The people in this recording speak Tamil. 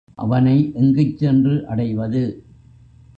அவனை எங்குச் சென்று அடைவது?